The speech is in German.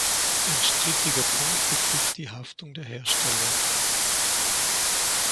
Ein strittiger Punkt betrifft die Haftung der Hersteller.